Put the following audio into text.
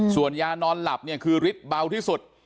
ส่วนยานอนหลับเนี่ยคือฤทธิ์เบาที่สุด